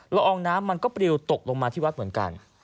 อองน้ำมันก็ปลิวตกลงมาที่วัดเหมือนกัน